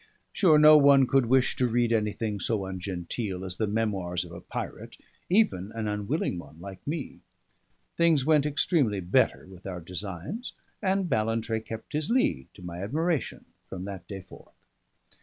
Sure, no one could wish to read anything so ungenteel as the memoirs of a pirate, even an unwilling one like me! Things went extremely better with our designs, and Ballantrae kept his lead, to my admiration, from that day forth.